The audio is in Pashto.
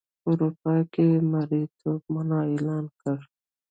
اروپا کې یې مریتوب منع اعلان کړ.